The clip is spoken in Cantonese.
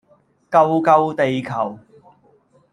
救救地球